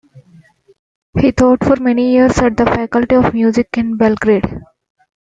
He taught for many years at the Faculty of Music in Belgrade.